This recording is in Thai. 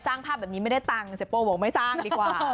สร้างภาพแบบนี้ไม่ได้ตังค์เสียโป้บอกไม่สร้างดีกว่า